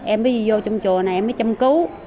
em mới vô trong chùa này em mới châm cứu